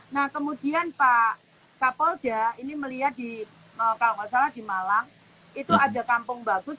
nah kemudian pak kapolda ini melihat kalau nggak salah di malang itu ada kampung bagus